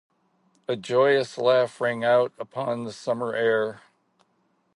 A joyous laugh rang out upon the summer air.